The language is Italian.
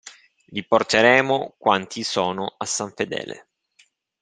Li porteremo quanti sono a San Fedele.